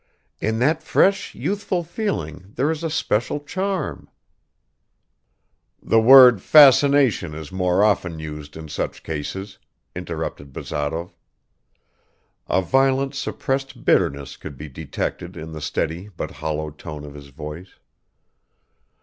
In that fresh youthful feeling there is a special charm ..." "The word fascination is more often used in such cases," interrupted Bazarov; a violent suppressed bitterness could be detected in the steady but hollow tone of his voice.